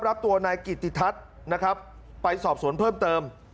รับตัวนายกิติทัศน์นะครับไปสอบสวนเพิ่มเติม